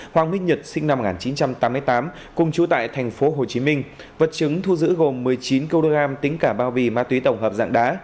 hoàng minh nhật sinh năm một nghìn chín trăm tám mươi tám cùng chú tại tp hcm vật chứng thu giữ gồm một mươi chín kg tính cả bao bì ma túy tổng hợp dạng đá